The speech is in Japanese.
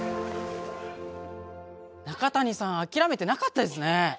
中谷さん諦めてなかったですね。